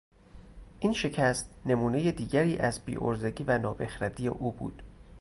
این شکست نمونهی دیگری از بیعرضگی و نابخردی او بود.